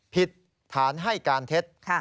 ผิดฐานให้การเท็จ